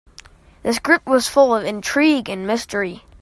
The script was full of intrigue and mystery.